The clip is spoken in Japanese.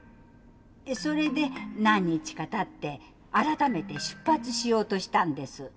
それで何日かたって改めて出発しようとしたんです。